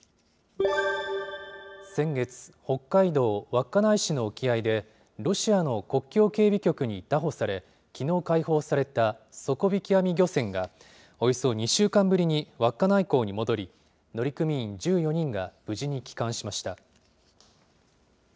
先月、北海道稚内市の沖合で、ロシアの国境警備局に拿捕され、きのう解放された底引き網漁船が、およそ２週間ぶりに稚内港に戻り、乗組員１４人が無事に帰還しました。